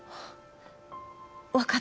分かった。